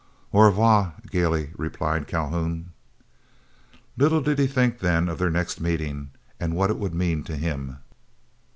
"Au revoir," gayly replied Calhoun. Little did he think then of their next meeting, and what it would mean to him.